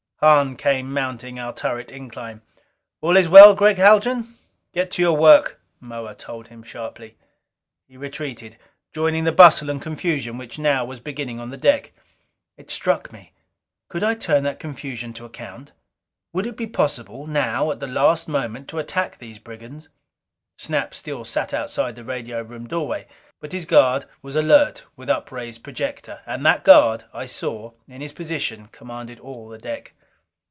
Hahn came mounting our turret incline. "All is well, Gregg Haljan?" "Get to your work," Moa told him sharply. He retreated, joining the bustle and confusion which now was beginning on the deck. It struck me could I turn that confusion to account? Would it be possible, now at the last moment, to attack these brigands? Snap still sat outside the radio room doorway. But his guard was alert with upraised projector. And that guard, I saw, in his position, commanded all the deck.